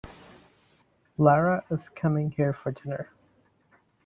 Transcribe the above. Lara is coming here for dinner.